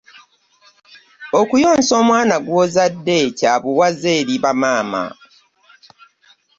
Okuyonsa omwana gw'ozadde kya buwaze eri ba maama.